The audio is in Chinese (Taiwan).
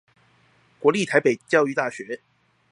國立臺北教育大學